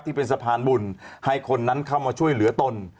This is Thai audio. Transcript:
ที่เป็นสะพานบุญให้คนนั้นเข้ามาช่วยเหลือตน